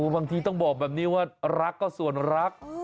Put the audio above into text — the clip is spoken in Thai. บางทีต้องบอกแบบนี้ว่ารักก็ส่วนรัก